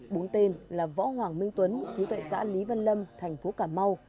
bốn tên là võ hoàng minh tuấn chú tại xã lý văn lâm thành phố cảm mau